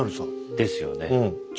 ですよね。